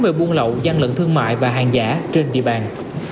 về buôn lậu gian lận thương mại và hàng giả trên địa bàn